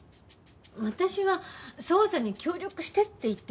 私は捜査に協力してって言ってるの。